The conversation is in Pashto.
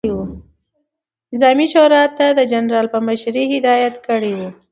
نظامي شورا ته د جنرال په مشري هدایت کړی ؤ،